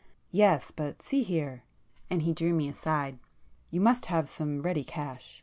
"Yes—but see here,"—and he drew me aside—"You must have some ready cash.